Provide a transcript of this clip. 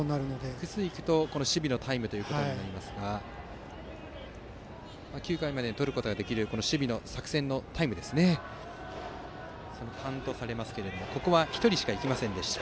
複数行くと守備のタイムとなりますが９回まで取ることができる守備の作戦タイムにカウントされますがここは１人しか行かなかった。